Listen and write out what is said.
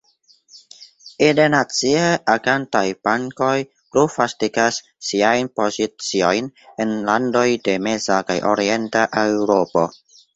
Internacie agantaj bankoj plu vastigas siajn poziciojn en landoj de meza kaj orienta Eŭropo.